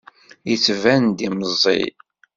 Yettban-d meẓẓi.